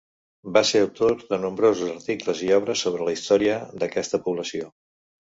Va ser autor de nombrosos articles i obres sobre la història d'aquesta població.